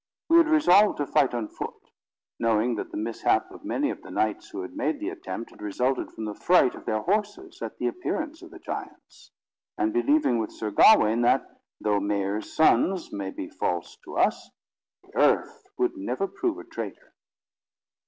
We had resolved to fight on foot; knowing that the mishap of many of the knights who had made the attempt, had resulted from the fright of their horses at the appearance of the giants; and believing with Sir Gawain, that, though mare's sons might be false to us, the earth would never prove a traitor.